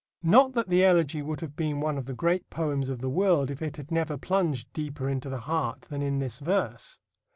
Not that the Elegy would have been one of the great poems of the world if it had never plunged deeper into the heart than in this verse.